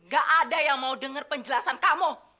gak ada yang mau dengar penjelasan kamu